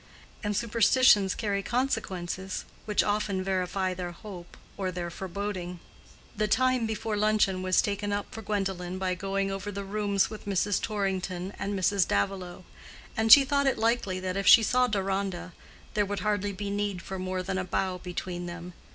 And superstitions carry consequences which often verify their hope or their foreboding. The time before luncheon was taken up for Gwendolen by going over the rooms with Mrs. Torrington and Mrs. Davilow; and she thought it likely that if she saw Deronda, there would hardly be need for more than a bow between them.